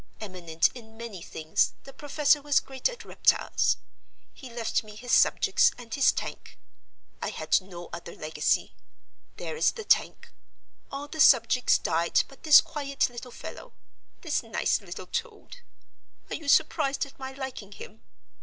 Eminent in many things, the professor was great at reptiles. He left me his Subjects and his Tank. I had no other legacy. There is the Tank. All the Subjects died but this quiet little fellow—this nice little toad. Are you surprised at my liking him?